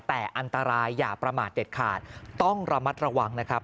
แต่อันตรายอย่าประมาทเด็ดขาดต้องระมัดระวังนะครับ